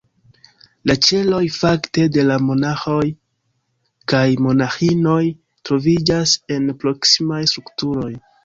La ĉeloj, fakte, de la monaĥoj kaj monaĥinoj troviĝas en proksimaj strukturoj.